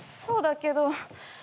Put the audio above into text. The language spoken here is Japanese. そうだけど。